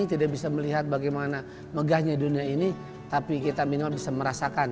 tidak bisa melihat bagaimana megahnya dunia ini tapi kita minimal bisa merasakan